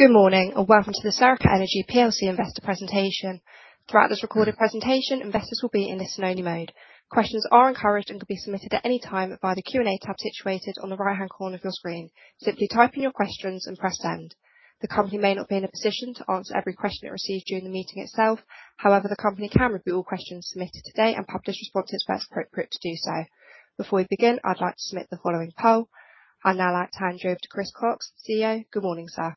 Good morning, and welcome to the Serica Energy plc Investor Presentation. Throughout this recorded presentation, investors will be in listen-only mode. Questions are encouraged and can be submitted at any time via the Q&A tab situated on the right-hand corner of your screen. Simply type in your questions and press Send. The company may not be in a position to answer every question it receives during the meeting itself. However, the company can review all questions submitted today and publish responses where it's appropriate to do so. Before we begin, I'd like to submit the following poll. I'd now like to hand you over to Chris Cox, CEO. Good morning, sir.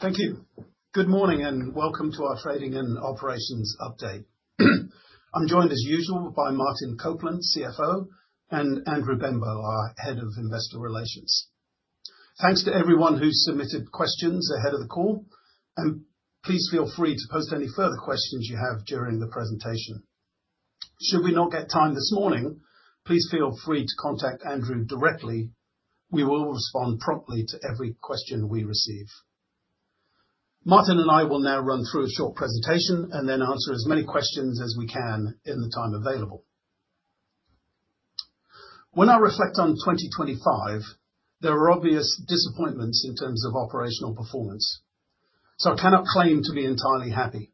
Thank you. Good morning, and welcome to our trading and operations update. I'm joined, as usual, by Martin Copeland, CFO, and Andrew Benbow, our Head of Investor Relations. Thanks to everyone who submitted questions ahead of the call, and please feel free to post any further questions you have during the presentation. Should we not get time this morning, please feel free to contact Andrew directly. We will respond promptly to every question we receive. Martin and I will now run through a short presentation and then answer as many questions as we can in the time available. When I reflect on 2025, there are obvious disappointments in terms of operational performance, so I cannot claim to be entirely happy.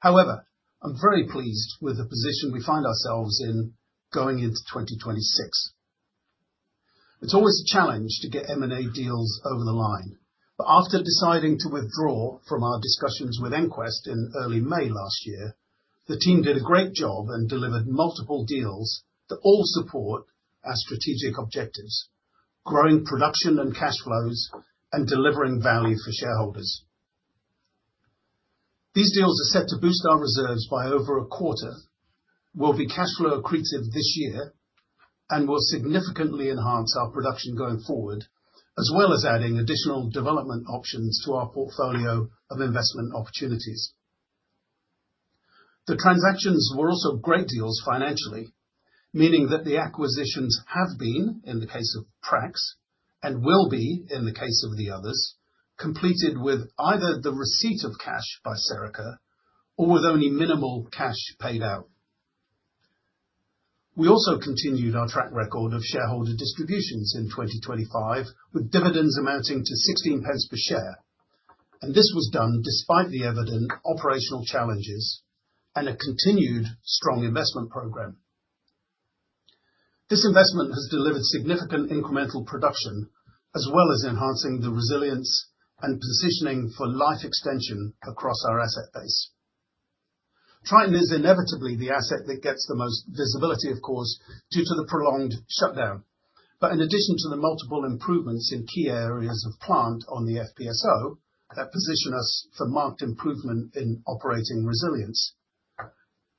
However, I'm very pleased with the position we find ourselves in going into 2026. It's always a challenge to get M&A deals over the line. After deciding to withdraw from our discussions with EnQuest in early May last year, the team did a great job and delivered multiple deals that all support our strategic objectives, growing production and cash flows, and delivering value for shareholders. These deals are set to boost our reserves by over a quarter, will be cash flow accretive this year, and will significantly enhance our production going forward, as well as adding additional development options to our portfolio of investment opportunities. The transactions were also great deals financially, meaning that the acquisitions have been, in the case of Prax, and will be, in the case of the others, completed with either the receipt of cash by Serica or with only minimal cash paid out. We also continued our track record of shareholder distributions in 2025, with dividends amounting to 16 pence per share, and this was done despite the evident operational challenges and a continued strong investment program. This investment has delivered significant incremental production, as well as enhancing the resilience and positioning for life extension across our asset base. Triton is inevitably the asset that gets the most visibility, of course, due to the prolonged shutdown. In addition to the multiple improvements in key areas of plant on the FPSO that position us for marked improvement in operating resilience,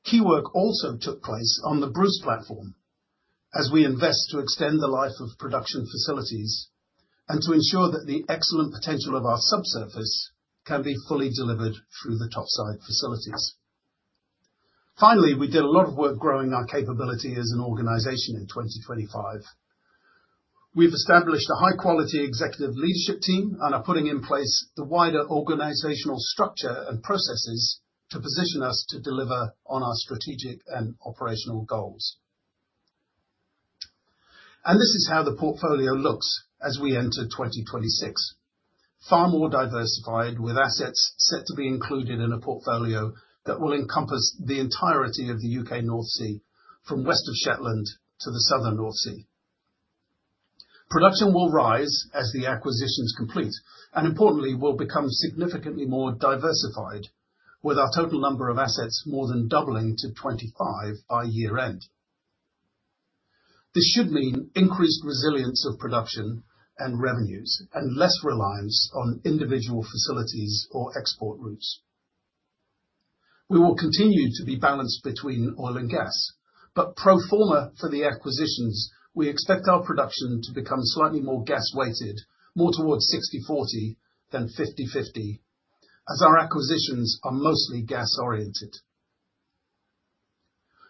key work also took place on the Bruce platform as we invest to extend the life of production facilities and to ensure that the excellent potential of our subsurface can be fully delivered through the topside facilities. Finally, we did a lot of work growing our capability as an organization in 2025. We've established a high-quality executive leadership team and are putting in place the wider organizational structure and processes to position us to deliver on our strategic and operational goals. This is how the portfolio looks as we enter 2026. Far more diversified, with assets set to be included in a portfolio that will encompass the entirety of the U.K. North Sea from west of Shetland to the southern North Sea. Production will rise as the acquisition is complete, and importantly, will become significantly more diversified with our total number of assets more than doubling to 25 by year-end. This should mean increased resilience of production and revenues and less reliance on individual facilities or export routes. We will continue to be balanced between oil and gas, but pro forma for the acquisitions, we expect our production to become slightly more gas-weighted, more towards 60/40 than 50/50, as our acquisitions are mostly gas-oriented.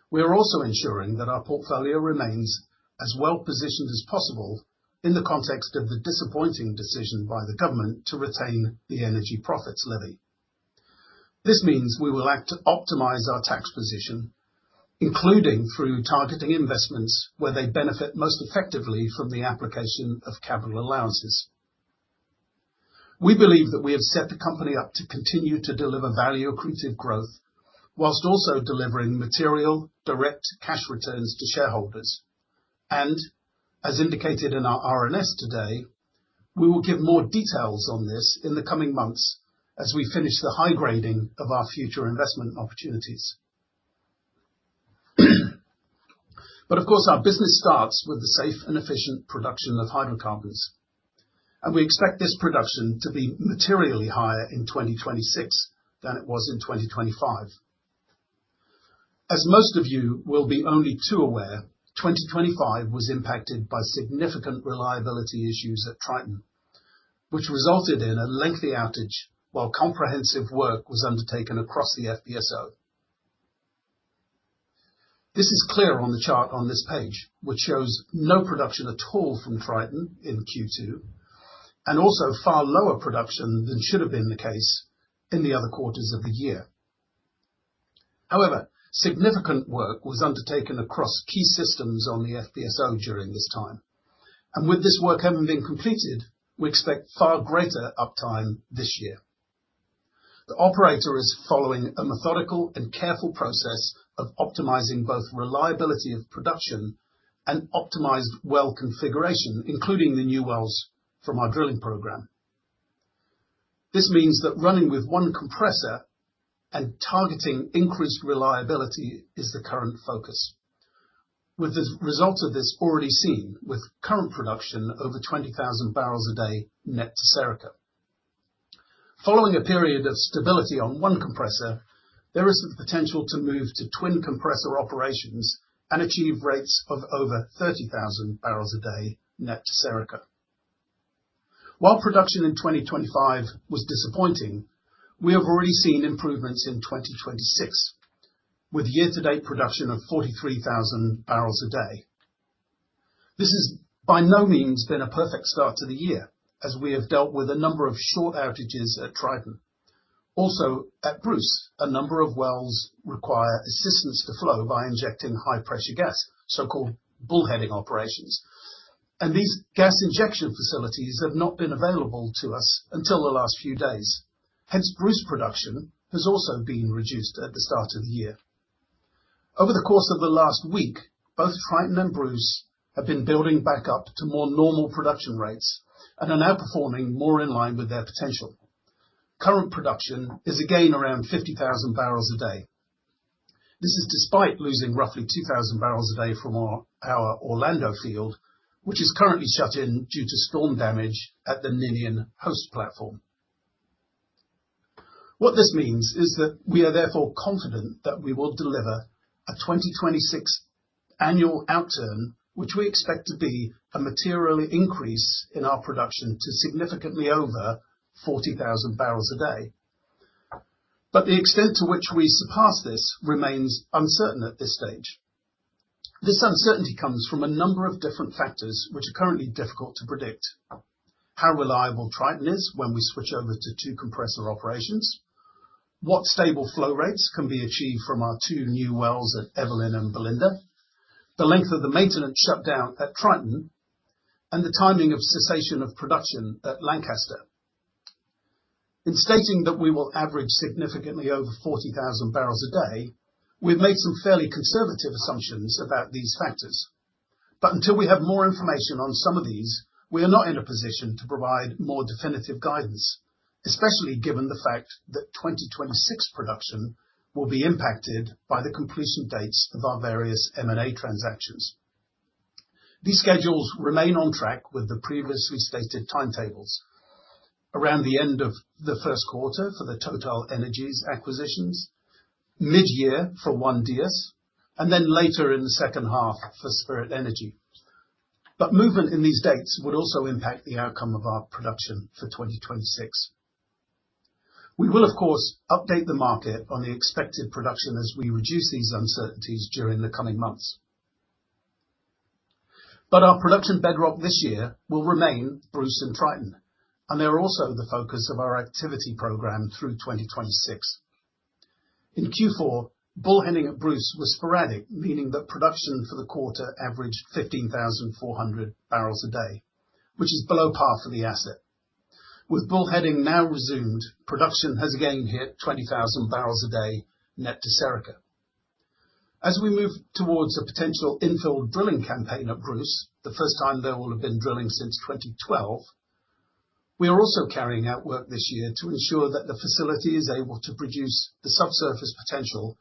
We are also ensuring that our portfolio remains as well-positioned as possible in the context of the disappointing decision by the government to retain the Energy Profits Levy. This means we will act to optimize our tax position, including through targeting investments where they benefit most effectively from the application of capital allowances. We believe that we have set the company up to continue to deliver value-accretive growth whilst also delivering material, direct cash returns to shareholders. As indicated in our RNS today, we will give more details on this in the coming months as we finish the high grading of our future investment opportunities. Of course, our business starts with the safe and efficient production of hydrocarbons, and we expect this production to be materially higher in 2026 than it was in 2025. As most of you will be only too aware, 2025 was impacted by significant reliability issues at Triton, which resulted in a lengthy outage while comprehensive work was undertaken across the FPSO. This is clear on the chart on this page, which shows no production at all from Triton in Q2, and also far lower production than should have been the case in the other quarters of the year. However, significant work was undertaken across key systems on the FPSO during this time, and with this work having been completed, we expect far greater uptime this year. The operator is following a methodical and careful process of optimizing both reliability of production and optimized well configuration, including the new wells from our drilling program. This means that running with one compressor and targeting increased reliability is the current focus. With the results of this already seen, with current production over 20,000 barrels a day net to Serica. Following a period of stability on one compressor, there is the potential to move to twin compressor operations and achieve rates of over 30,000 barrels a day net to Serica. While production in 2025 was disappointing, we have already seen improvements in 2026, with year-to-date production of 43,000 barrels a day. This has by no means been a perfect start to the year, as we have dealt with a number of short outages at Triton. At Bruce, a number of wells require assistance to flow by injecting high-pressure gas, so-called bullheading operations, and these gas injection facilities have not been available to us until the last few days. Hence, Bruce production has also been reduced at the start of the year. Over the course of the last week, both Triton and Bruce have been building back up to more normal production rates and are now performing more in line with their potential. Current production is, again, around 50,000 barrels a day. This is despite losing roughly 2,000 barrels a day from our Orlando field, which is currently shut in due to storm damage at the Ninian host platform. What this means is that we are therefore confident that we will deliver a 2026 annual outturn, which we expect to be a material increase in our production to significantly over 40,000 barrels a day. The extent to which we surpass this remains uncertain at this stage. This uncertainty comes from a number of different factors which are currently difficult to predict. How reliable Triton is when we switch over to 2 compressor operations, what stable flow rates can be achieved from our 2 new wells at Evelyn and Belinda, the length of the maintenance shutdown at Triton, and the timing of cessation of production at Lancaster. In stating that we will average significantly over 40,000 barrels a day, we've made some fairly conservative assumptions about these factors. Until we have more information on some of these, we are not in a position to provide more definitive guidance, especially given the fact that 2026 production will be impacted by the completion dates of our various M&A transactions. These schedules remain on track with the previously stated timetables. Around the end of the first quarter for the TotalEnergies acquisitions, mid-year for ONE-Dyas, and then later in the second half for Spirit Energy. Movement in these dates would also impact the outcome of our production for 2026. We will, of course, update the market on the expected production as we reduce these uncertainties during the coming months. Our production bedrock this year will remain Bruce and Triton, and they are also the focus of our activity program through 2026. In Q4 bullheading at Bruce was sporadic, meaning that production for the quarter averaged 15,400 barrels a day, which is below par for the asset. With bullheading now resumed, production has again hit 20,000 barrels a day net to Serica. As we move towards a potential infill drilling campaign at Bruce, the first time there will have been drilling since 2012, we are also carrying out work this year to ensure that the facility is able to produce the subsurface potential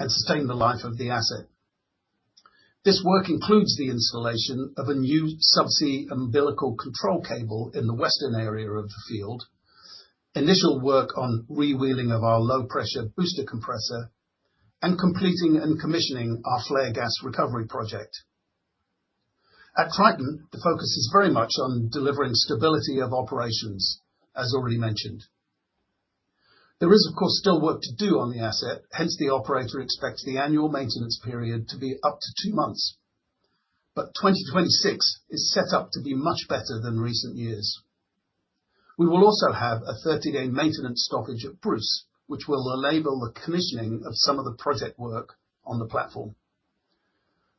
and sustain the life of the asset. This work includes the installation of a new sub-sea umbilical control cable in the western area of the field, initial work on rewheeling of our low-pressure booster compressor, and completing and commissioning our flare gas recovery project. At Triton, the focus is very much on delivering stability of operations, as already mentioned. There is, of course, still work to do on the asset, hence the operator expects the annual maintenance period to be up to two months. 2026 is set up to be much better than recent years. We will also have a 30-day maintenance stoppage at Bruce, which will enable the commissioning of some of the project work on the platform.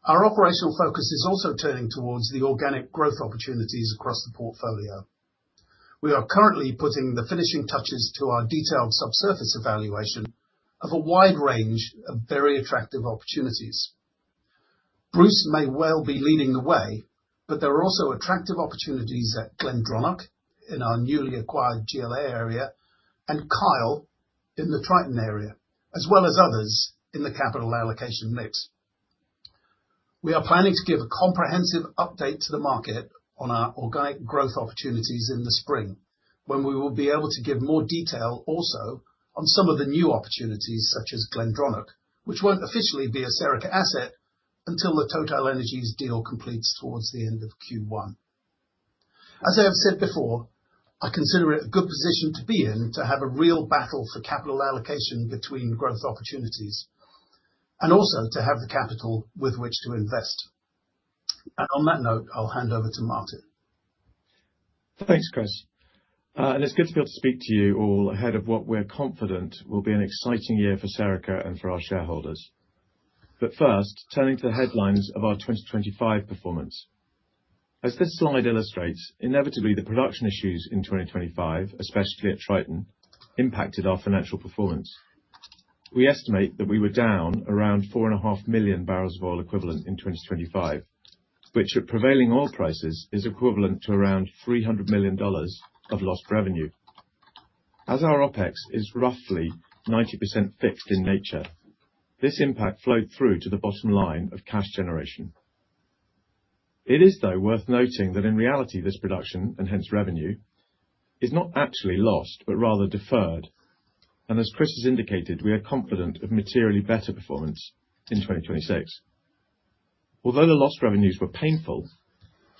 Our operational focus is also turning towards the organic growth opportunities across the portfolio. We are currently putting the finishing touches to our detailed subsurface evaluation of a wide range of very attractive opportunities. Bruce may well be leading the way, but there are also attractive opportunities at Glendronach in our newly acquired GLA area and Kyle in the Triton area, as well as others in the capital allocation mix. We are planning to give a comprehensive update to the market on our organic growth opportunities in the spring, when we will be able to give more detail also on some of the new opportunities, such as Glendronach, which won't officially be a Serica asset until the TotalEnergies deal completes towards the end of Q1. As I have said before, I consider it a good position to be in to have a real battle for capital allocation between growth opportunities and also to have the capital with which to invest. On that note, I'll hand over to Martin. Thanks, Chris. It's good to be able to speak to you all ahead of what we're confident will be an exciting year for Serica Energy and for our shareholders. First, turning to the headlines of our 2025 performance. As this slide illustrates, inevitably the production issues in 2025, especially at Triton, impacted our financial performance. We estimate that we were down around 4.5 million barrels of oil equivalent in 2025, which at prevailing oil prices is equivalent to around $300 million of lost revenue. As our OpEx is roughly 90% fixed in nature, this impact flowed through to the bottom line of cash generation. It is, though, worth noting that in reality, this production, and hence revenue, is not actually lost, but rather deferred. As Chris has indicated, we are confident of materially better performance in 2026. Although the lost revenues were painful,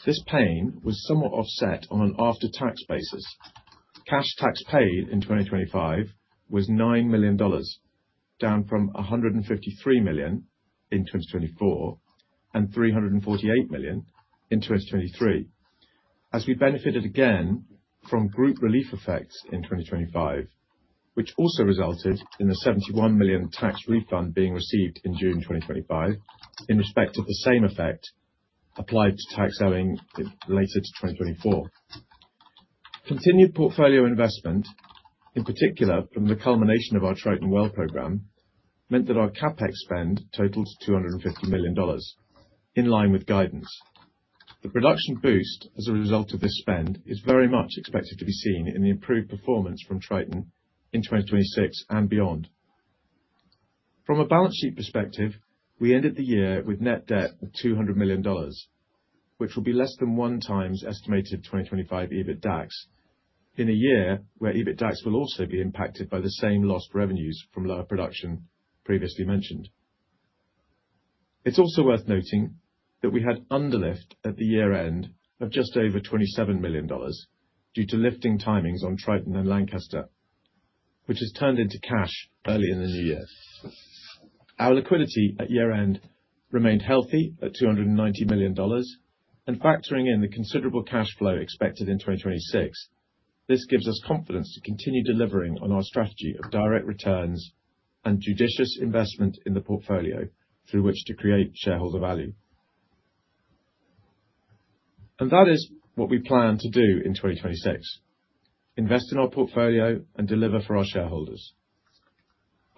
this pain was somewhat offset on an after-tax basis. Cash tax paid in 2025 was $9 million, down from $153 million in 2024 and $348 million in 2023. We benefited again from group relief effects in 2025, which also resulted in the $71 million tax refund being received in June 2025 in respect of the same effect applied to tax owing later to 2024. Continued portfolio investment, in particular from the culmination of our Triton well program, meant that our CapEx spend totaled $250 million in line with guidance. The production boost as a result of this spend is very much expected to be seen in the improved performance from Triton in 2026 and beyond. From a balance sheet perspective, we ended the year with net debt of $200 million, which will be less than 1x estimated 2025 EBITDAX in a year where EBITDAX will also be impacted by the same lost revenues from lower production previously mentioned. It's also worth noting that we had underlift at the year-end of just over $27 million due to lifting timings on Triton and Lancaster, which has turned into cash early in the new year. Our liquidity at year-end remained healthy at $290 million and factoring in the considerable cash flow expected in 2026, this gives us confidence to continue delivering on our strategy of direct returns and judicious investment in the portfolio through which to create shareholder value. That is what we plan to do in 2026, invest in our portfolio and deliver for our shareholders.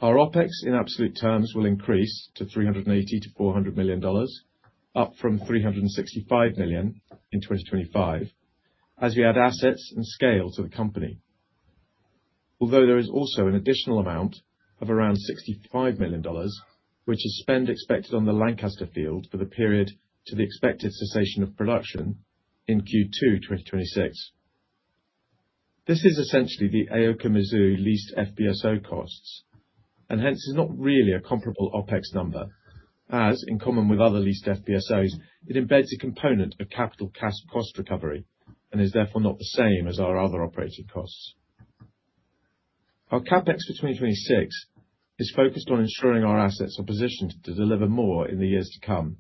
Our OpEx in absolute terms will increase to $380 million-$400 million, up from $365 million in 2025 as we add assets and scale up the company. Although there is also an additional amount of around $65 million, which is spend expected on the Lancaster field for the period to the expected cessation of production in Q2 2026. This is essentially the Aoka Mizu leased FPSO costs, and hence is not really a comparable OpEx number. As in common with other leased FPSOs, it embeds a component of capital cost recovery and is therefore not the same as our other operating costs. Our CapEx for 2026 is focused on ensuring our assets are positioned to deliver more in the years to come,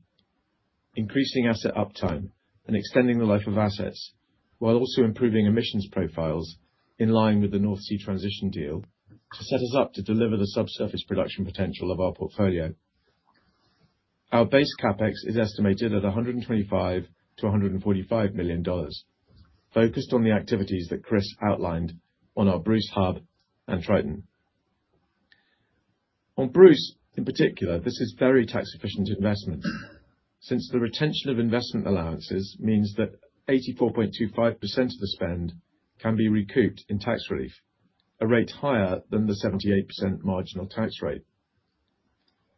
increasing asset uptime and extending the life of assets, while also improving emissions profiles in line with the North Sea Transition Deal to set us up to deliver the subsurface production potential of our portfolio. Our base CapEx is estimated at $125 million-$145 million, focused on the activities that Chris outlined on our Bruce hub and Triton. On Bruce, in particular, this is very tax efficient investment since the retention of investment allowances means that 84.25% of the spend can be recouped in tax relief, a rate higher than the 78% marginal tax rate.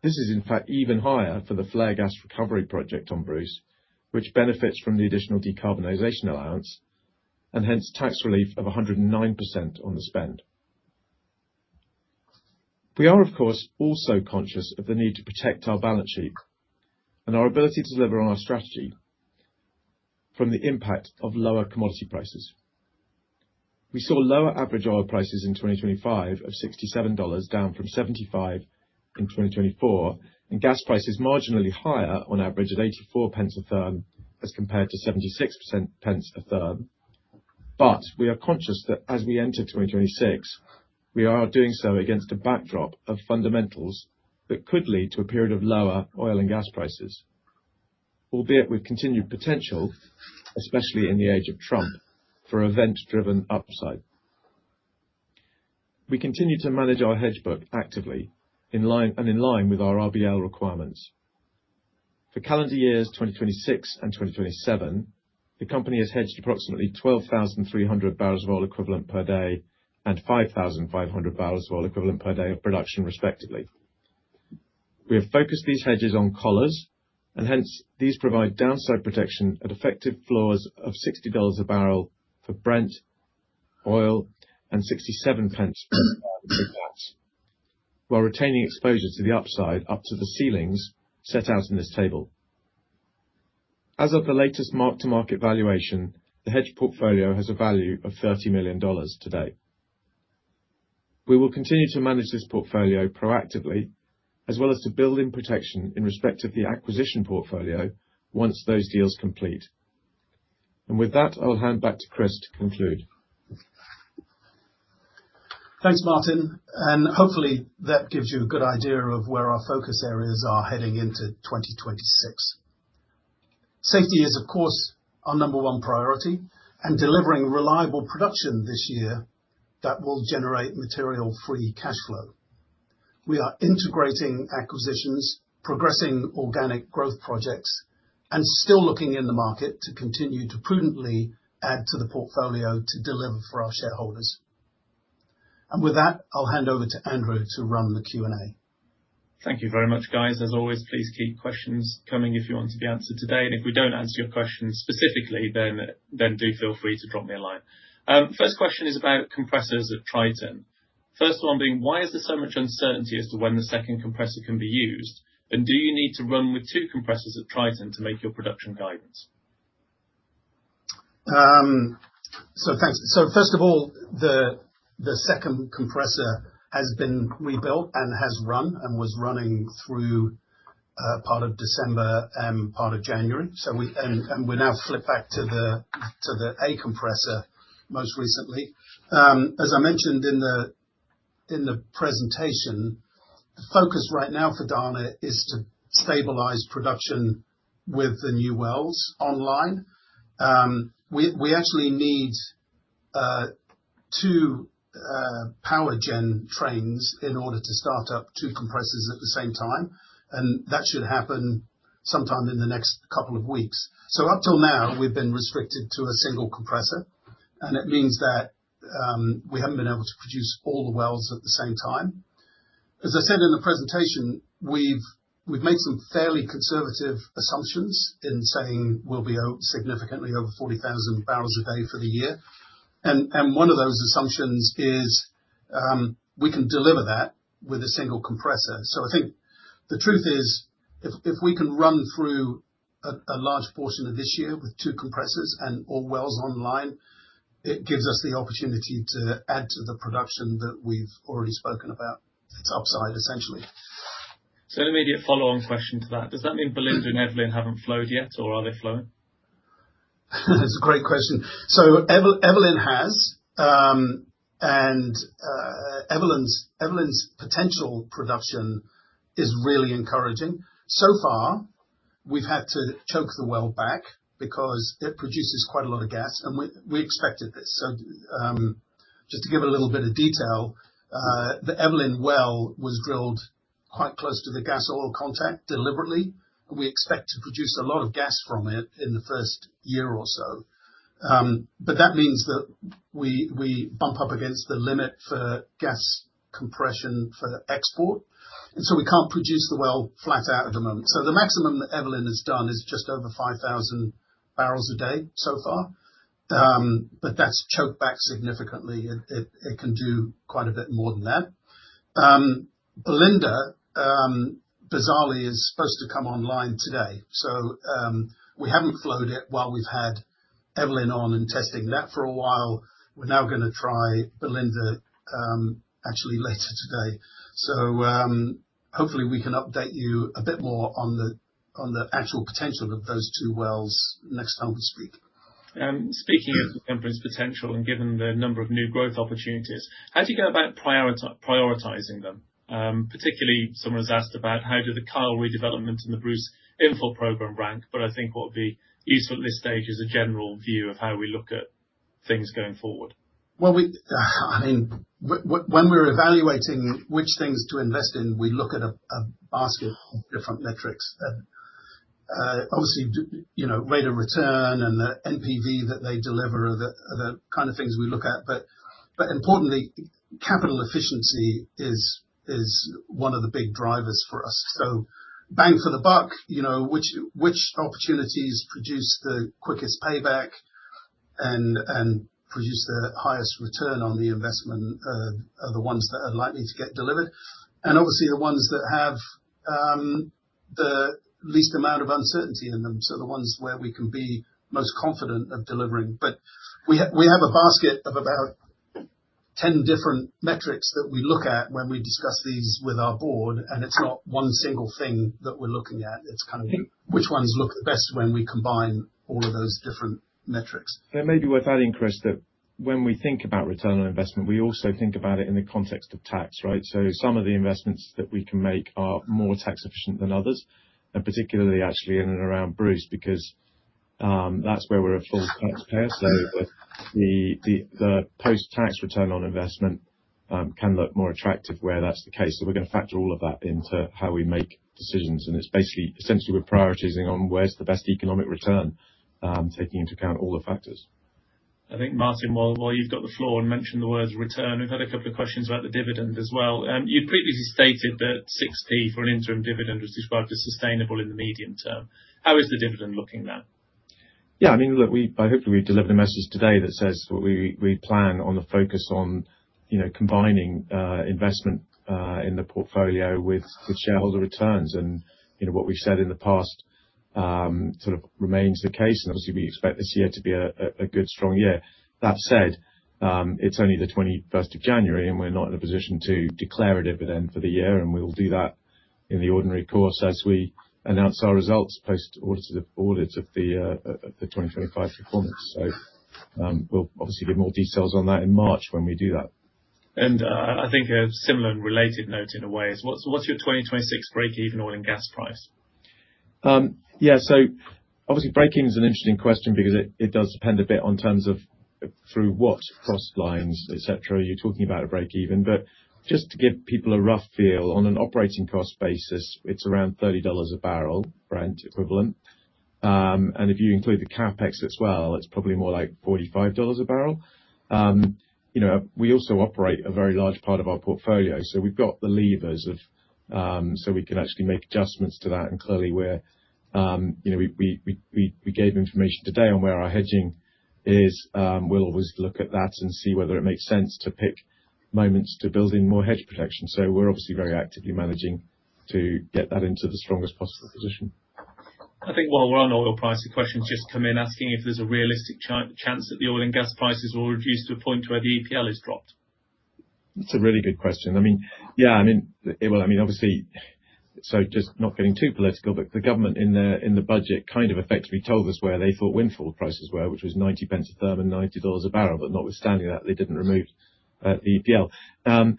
This is in fact even higher for the flare gas recovery project on Bruce, which benefits from the additional decarbonization allowance and hence tax relief of 109% on the spend. We are of course also conscious of the need to protect our balance sheet and our ability to deliver on our strategy from the impact of lower commodity prices. We saw lower average oil prices in 2025 of $67, down from 75 in 2024, and gas prices marginally higher on average at 84 pence a therm as compared to 76 pence a therm. We are conscious that as we enter 2026, we are doing so against a backdrop of fundamentals that could lead to a period of lower oil and gas prices, albeit with continued potential, especially in the age of Trump, for event-driven upside. We continue to manage our hedge book actively in line, and in line with our RBL requirements. For calendar years 2026 and 2027, the company has hedged approximately 12,300 barrels of oil equivalent per day and 5,500 barrels of oil equivalent per day of production, respectively. We have focused these hedges on collars, and hence these provide downside protection at effective floors of $60 a barrel for Brent oil and 0.67 per barrel for gas, while retaining exposure to the upside up to the ceilings set out in this table. As of the latest mark-to-market valuation, the hedge portfolio has a value of $30 million today. We will continue to manage this portfolio proactively, as well as to build in protection in respect of the acquisition portfolio once those deals complete. With that, I'll hand back to Chris to conclude. Thanks, Martin, and hopefully that gives you a good idea of where our focus areas are heading into 2026. Safety is, of course, our number one priority, and delivering reliable production this year that will generate material free cash flow. We are integrating acquisitions, progressing organic growth projects, and still looking in the market to continue to prudently add to the portfolio to deliver for our shareholders. With that, I'll hand over to Andrew to run the Q&A. Thank you very much, guys. As always, please keep questions coming if you want to be answered today. If we don't answer your question specifically, then do feel free to drop me a line. First question is about compressors at Triton. First one being why is there so much uncertainty as to when the second compressor can be used? Do you need to run with two compressors at Triton to make your production guidance? Thanks. First of all, the second compressor has been rebuilt and has run and was running through part of December and part of January. We now flip back to the A compressor most recently. As I mentioned in the presentation, the focus right now for Dana is to stabilize production with the new wells online. We actually need two power gen trains in order to start up two compressors at the same time, and that should happen sometime in the next couple of weeks. Up till now, we've been restricted to a single compressor, and it means that we haven't been able to produce all the wells at the same time. As I said in the presentation, we've made some fairly conservative assumptions in saying we'll be significantly over 40,000 barrels a day for the year. One of those assumptions is we can deliver that with a single compressor. I think the truth is if we can run through a large portion of this year with two compressors and all wells online, it gives us the opportunity to add to the production that we've already spoken about. It's upside, essentially. An immediate follow-on question to that. Does that mean Belinda and Evelyn haven't flowed yet, or are they flowing? That's a great question. Evelyn's potential production is really encouraging. So far, we've had to choke the well back because it produces quite a lot of gas, and we expected this. Just to give a little bit of detail, the Evelyn well was drilled quite close to the gas oil contact deliberately, and we expect to produce a lot of gas from it in the first year or so. That means that we bump up against the limit for gas compression for export, and we can't produce the well flat out at the moment. The maximum that Evelyn has done is just over 5,000 barrels a day so far. That's choked back significantly. It can do quite a bit more than that. Belinda bizarrely is supposed to come online today. We haven't flowed it while we've had Evelyn on and testing that for a while. We're now gonna try Belinda actually later today. Hopefully we can update you a bit more on the actual potential of those two wells next time we speak. Speaking of potential and given the number of new growth opportunities, how do you go about prioritizing them? Particularly someone has asked about how do the Kyle redevelopment and the Bruce infill program rank, but I think what would be useful at this stage is a general view of how we look at things going forward. Well, when we're evaluating which things to invest in, we look at a basket of different metrics. Obviously rate of return and the NPV that they deliver are the kind of things we look at. Importantly, capital efficiency is one of the big drivers for us. Bang for the buck which opportunities produce the quickest payback and produce the highest return on the investment are the ones that are likely to get delivered, and obviously the ones that have the least amount of uncertainty in them. The ones where we can be most confident of delivering. We have a basket of about 10 different metrics that we look at when we discuss these with our board, and it's not one single thing that we're looking at. It's kind of which ones look the best when we combine all of those different metrics. It may be worth adding, Chris, that when we think about return on investment, we also think about it in the context of tax, right? Some of the investments that we can make are more tax efficient than others, and particularly actually in and around Bruce because that's where we're a full taxpayer. The post-tax return on investment can look more attractive where that's the case. We're gonna factor all of that into how we make decisions. It's basically essentially we're prioritizing on where's the best economic return, taking into account all the factors. Martin, while you've got the floor and mentioned the word return, we've had a couple of questions about the dividend as well. You previously stated that 0.60 for an interim dividend was described as sustainable in the medium term. How is the dividend looking now? Yeah, look, I hope we delivered the message today that says what we plan on the focus on combining investment in the portfolio with shareholder returns. What we've said in the past sort of remains the case. Obviously we expect this year to be a good strong year. That said, it's only the January 21st, and we're not in a position to declare a dividend for the year, and we will do that in the ordinary course as we announce our results post audit of the 2025 performance. We'll obviously give more details on that in March when we do that. I think a similar and related note in a way is what's your 2026 break-even oil and gas price? Yeah, obviously break-even is an interesting question because it does depend a bit on terms of through what cost lines, et cetera, are you talking about a break-even. Just to give people a rough feel on an operating cost basis, it's around $30 a barrel Brent equivalent, and if you include the CapEx as well, it's probably more like $45 a barrel. We also operate a very large part of our portfolio, so we've got the levers of, so we can actually make adjustments to that. Clearly we're we gave information today on where our hedging is. We'll always look at that and see whether it makes sense to pick moments to build in more hedge protection. We're obviously very actively managing to get that into the strongest possible position. While we're on oil price, a question's just come in asking if there's a realistic chance that the oil and gas prices will reduce to a point where the EPL is dropped. That's a really good question. Well, obviously, just not getting too political, but the government in the budget kind of effectively told us where they thought windfall prices were, which was 90 pence a therm and $90 a barrel. But notwithstanding that, they didn't remove the EPL.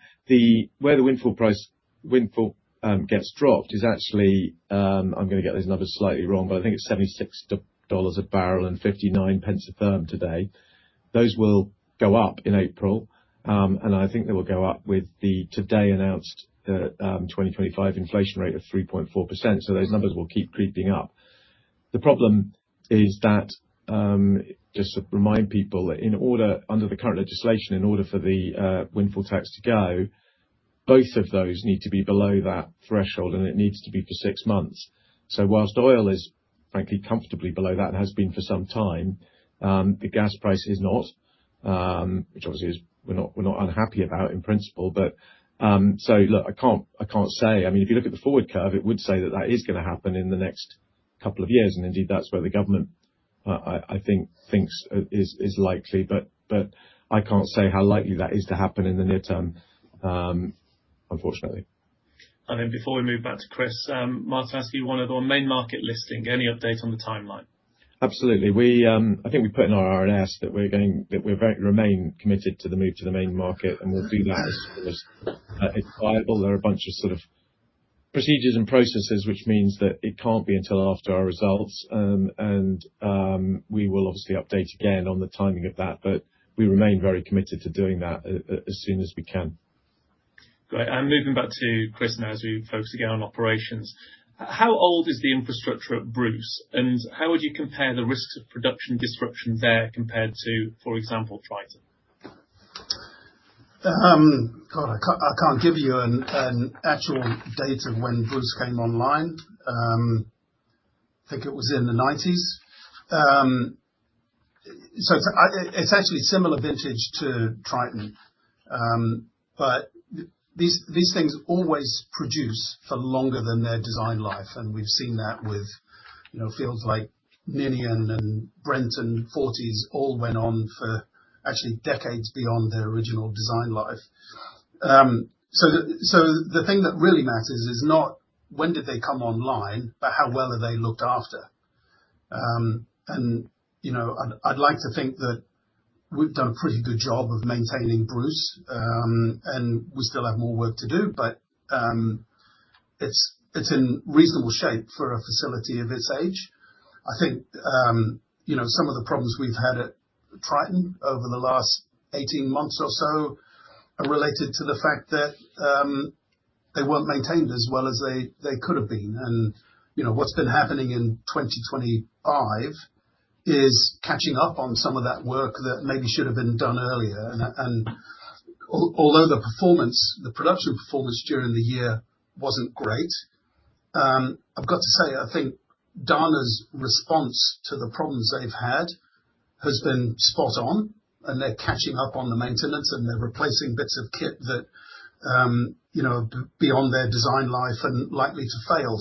Where the windfall price gets dropped is actually, I'm gonna get these numbers slightly wrong, but I think it's $76 a barrel and 59 pence a therm today. Those will go up in April. I think they will go up with the today announced 2025 inflation rate of 3.4%. Those numbers will keep creeping up. The problem is that, just to remind people, in order under the current legislation, in order for the windfall tax to go, both of those need to be below that threshold, and it needs to be for six months. Whilst oil is frankly comfortably below that and has been for some time, the gas price is not. Which obviously is, we're not unhappy about in principle. Look, I can't say. If you look at the forward curve, it would say that that is gonna happen in the next couple of years. Indeed, that's where the government thinks it's likely, but I can't say how likely that is to happen in the near term, unfortunately. Before we move back to Chris, Martin, asking you one of our Main Market listing, any update on the timeline? Absolutely. We put in our RNS that we remain committed to the move to the main market, and we'll do that as soon as it's viable. There are a bunch of sort of procedures and processes, which means that it can't be until after our results. We will obviously update again on the timing of that, but we remain very committed to doing that as soon as we can. Great. Moving back to Chris now as we focus again on operations. How old is the infrastructure at Bruce, and how would you compare the risks of production disruption there compared to, for example, Triton? God, I can't give you an actual date of when Bruce came online. I think it was in the 1990s. It's actually similar vintage to Triton. These things always produce for longer than their design life, and we've seen that with fields like Ninian and Brent and Forties all went on for actually decades beyond their original design life. The thing that really matters is not when did they come online, but how well are they looked after. I'd like to think that we've done a pretty good job of maintaining Bruce. We still have more work to do, but it's in reasonable shape for a facility of its age. Some of the problems we've had at Triton over the last 18 months or so are related to the fact that they weren't maintained as well as they could have been. What's been happening in 2025 is catching up on some of that work that maybe should have been done earlier. Although the performance, the production performance during the year wasn't great, I've got to say, I think Dana's response to the problems they've had has been spot on, and they're catching up on the maintenance, and they're replacing bits of kit that beyond their design life and likely to fail.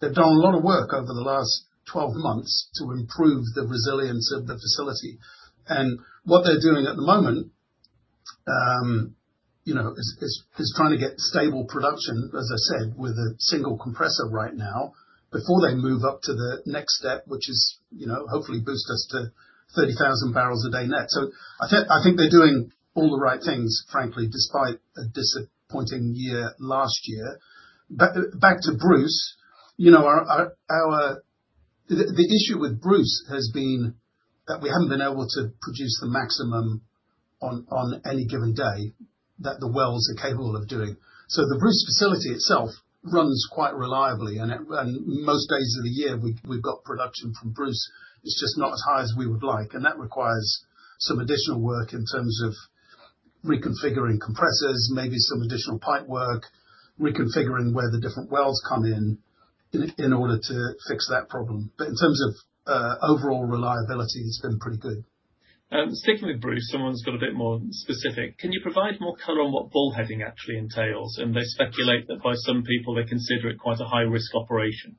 They've done a lot of work over the last 12 months to improve the resilience of the facility. What they're doing at the moment is trying to get stable production, as I said, with a single compressor right now before they move up to the next step, which is hopefully boost us to 30,000 barrels a day net. I think they're doing all the right things, frankly, despite a disappointing year last year. Back to Bruce. YThe issue with Bruce has been that we haven't been able to produce the maximum on any given day that the wells are capable of doing. The Bruce facility itself runs quite reliably. Most days of the year, we've got production from Bruce. It's just not as high as we would like. That requires some additional work in terms of reconfiguring compressors, maybe some additional pipe work, reconfiguring where the different wells come in order to fix that problem. In terms of overall reliability, it's been pretty good. Sticking with Bruce, so`meone's got a bit more specific. Can you provide more color on what bullheading actually entails? They speculate that by some people, they consider it quite a high-risk operation.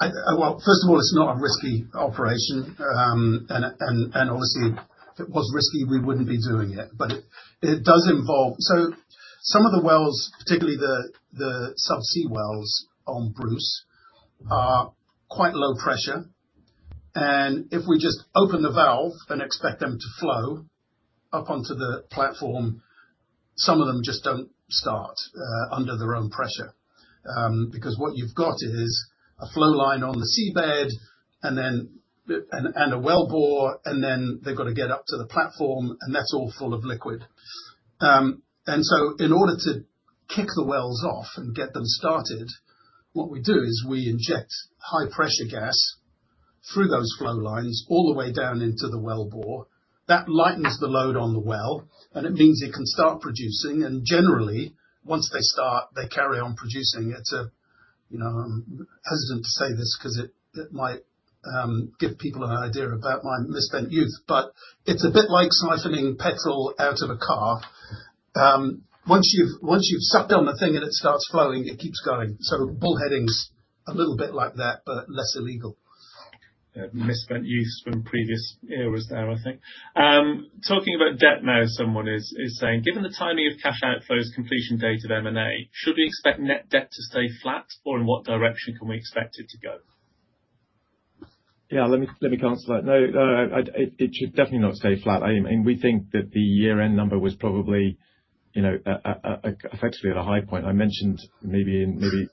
Well, first of all, it's not a risky operation. Obviously, if it was risky, we wouldn't be doing it. It does involve some of the wells. Particularly the subsea wells on Bruce are quite low pressure. If we just open the valve and expect them to flow up onto the platform, some of them just don't start under their own pressure. Because what you've got is a flow line on the seabed and then a wellbore, and then they've got to get up to the platform, and that's all full of liquid. In order to kick the wells off and get them started, what we do is we inject high pressure gas through those flow lines all the way down into the wellbore. That lightens the load on the well, and it means it can start producing. Generally, once they start, they carry on producing. I'm hesitant to say this because it might give people an idea about my misspent youth, but it's a bit like siphoning petrol out of a car. Once you've sucked on the thing and it starts flowing, it keeps going. Bullheading's a little bit like that, but less illegal. Misspent youth from previous eras there, I think. Talking about debt now, someone is saying, given the timing of cash outflows, completion date of M&A, should we expect net debt to stay flat, or in what direction can we expect it to go? Yeah, let me answer that. No, it should definitely not stay flat. I mean, we think that the year-end number was probably effectively at a high point. I mentioned maybe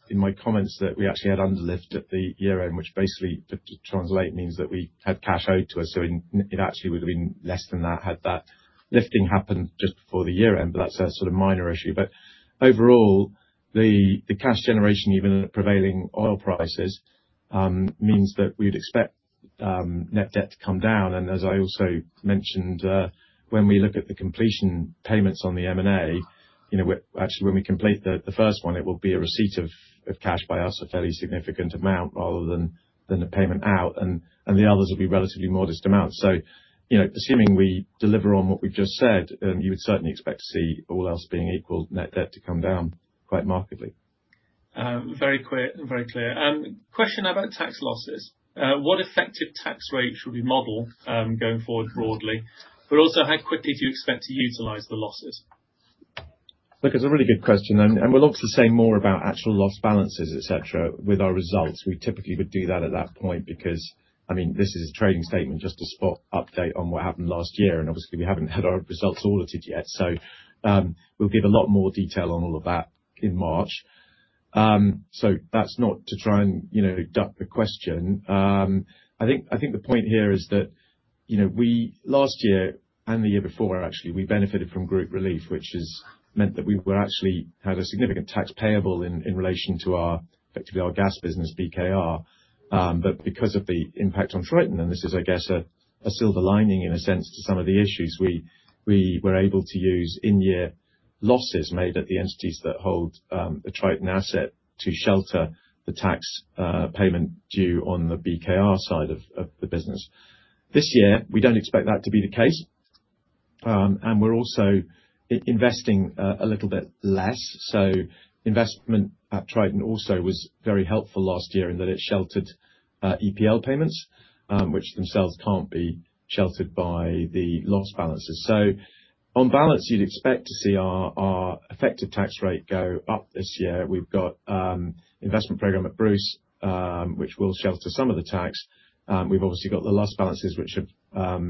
in my comments that we actually had underlift at the year-end, which basically to translate means that we had cash owed to us. It actually would have been less than that had that lifting happened just before the year-end. That's a sort of minor issue. Overall, the cash generation, even at prevailing oil prices, means that we'd expect net debt to come down. As I also mentioned, when we look at the completion payments on the M&A actually, when we complete the first one, it will be a receipt of cash by us, a fairly significant amount rather than the payment out. The others will be relatively modest amounts. Assuming we deliver on what we've just said, you would certainly expect to see all else being equal net debt to come down quite markedly. Very clear. Question about tax losses. What effective tax rate should we model going forward broadly? Also, how quickly do you expect to utilize the losses? Look, it's a really good question, and we'll obviously say more about actual loss balances, et cetera, with our results. We typically would do that at that point, because this is a trading statement, just a spot update on what happened last year, and obviously we haven't had our results audited yet. We'll give a lot more detail on all of that in March. That's not to try and, you know, duck the question. I think the point here is that we last year and the year before, actually, we benefited from group relief, which has meant that we actually had a significant tax payable in relation to our effectively our gas business, BKR. Because of the impact on Triton, and this is a silver lining in a sense to some of the issues, we were able to use in-year losses made at the entities that hold the Triton asset to shelter the tax payment due on the BKR side of the business. This year, we don't expect that to be the case. We're also investing a little bit less. Investment at Triton also was very helpful last year in that it sheltered EPL payments, which themselves can't be sheltered by the loss balances. On balance, you'd expect to see our effective tax rate go up this year. We've got investment program at Bruce, which will shelter some of the tax. We've obviously got the loss balances, which have,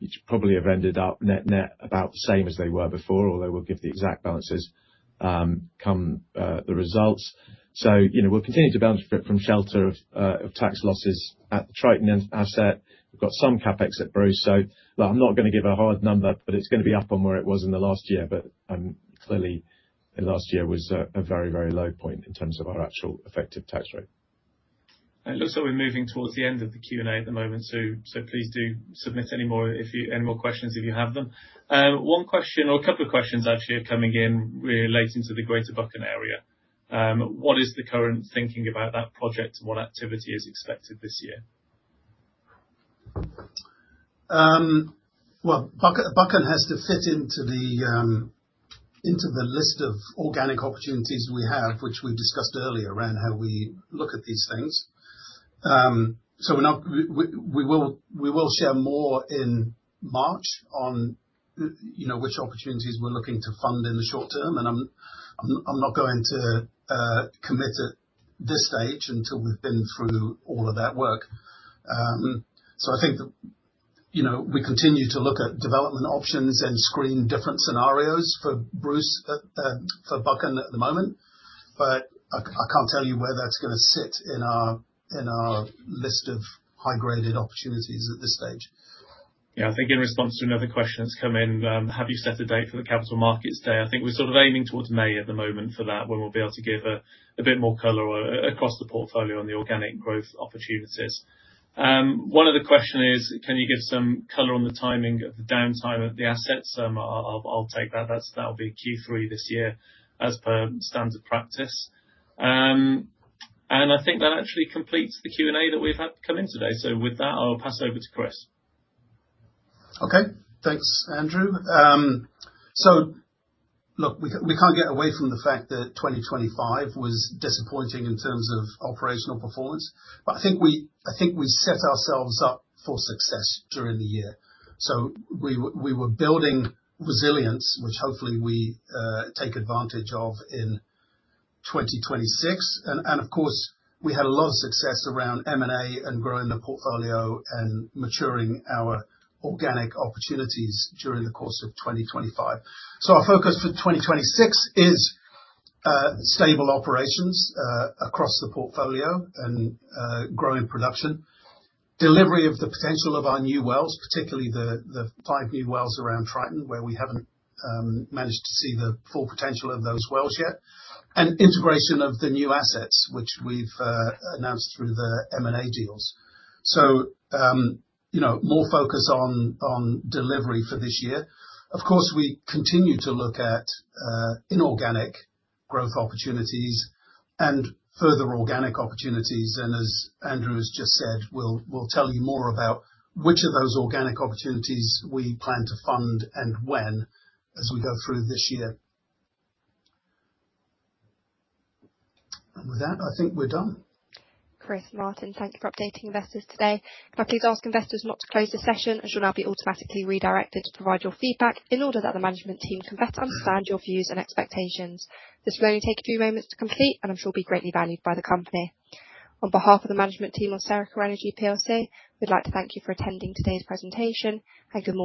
which probably have ended up net about the same as they were before, although we'll give the exact balances, come the results. We'll continue to benefit from shelter of tax losses at the Triton asset. We've got some CapEx at Bruce, so look, I'm not going to give a hard number, but it's going to be up on where it was in the last year. Clearly last year was a very, very low point in terms of our actual effective tax rate. It looks like we're moving towards the end of the Q&A at the moment, so please do submit any more questions if you have them. One question or a couple of questions actually are coming in relating to the Greater Buchan area. What is the current thinking about that project and what activity is expected this year? Well, Buchan has to fit into the list of organic opportunities we have, which we discussed earlier around how we look at these things. We will share more in March on, you know, which opportunities we're looking to fund in the short term. I'm not going to commit at this stage until we've been through all of that work. We continue to look at development options and screen different scenarios for Bruce for Buchan at the moment. I can't tell you where that's gonna sit in our list of high-graded opportunities at this stage. Yeah, I think in response to another question that's come in, have you set a date for the Capital Markets Day? I think we're sort of aiming towards May at the moment for that, when we'll be able to give a bit more color across the portfolio on the organic growth opportunities. One other question is, can you give some color on the timing of the downtime of the assets? I'll take that. That'll be Q3 this year as per standard practice. I think that actually completes the Q&A that we've had come in today. With that, I'll pass over to Chris. Okay. Thanks, Andrew. Look, we can't get away from the fact that 2025 was disappointing in terms of operational performance, but I think we set ourselves up for success during the year. We were building resilience, which hopefully we take advantage of in 2026. Of course, we had a lot of success around M&A and growing the portfolio and maturing our organic opportunities during the course of 2025. Our focus for 2026 is stable operations across the portfolio and growing production, delivery of the potential of our new wells, particularly the five new wells around Triton, where we haven't managed to see the full potential of those wells yet, and integration of the new assets which we've announced through the M&A deals. More focus on delivery for this year. Of course, we continue to look at inorganic growth opportunities and further organic opportunities. As Andrew has just said, we'll tell you more about which of those organic opportunities we plan to fund and when as we go through this year. With that, I think we're done. Chris, Martin, thank you for updating investors today. Can I please ask investors not to close this session, and you should now be automatically redirected to provide your feedback in order that the management team can better understand your views and expectations. This will only take a few moments to complete and I'm sure it will be greatly valued by the company. On behalf of the management team of Serica Energy plc, we'd like to thank you for attending today's presentation, and good morning.